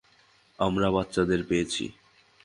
আমরা বাচ্চাদের পেয়েছি।